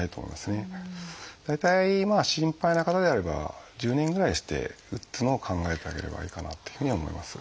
大体心配な方であれば１０年ぐらいして打つのを考えてあげればいいかなというふうに思います。